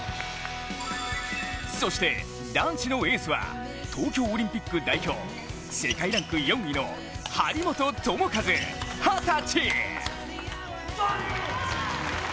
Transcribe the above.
そして、男子のエースは東京オリンピック代表、世界ランク４位の張本智和、二十歳。